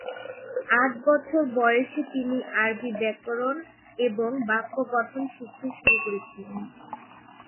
আট বছর বয়সে তিনি আরবি ব্যাকরণ এবং বাক্য গঠন শিখতে শুরু করেছিলেন।